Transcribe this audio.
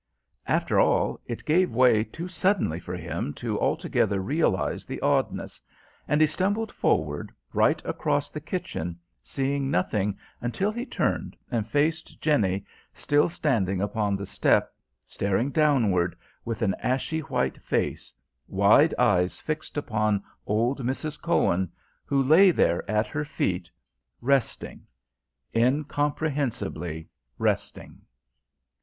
After all, it gave way too suddenly for him to altogether realise the oddness; and he stumbled forward right across the kitchen, seeing nothing until he turned and faced Jenny still standing upon the step, staring downward, with an ashy white face, wide eyes fixed upon old Mrs. Cohen, who lay there at her feet, resting incomprehensibly resting.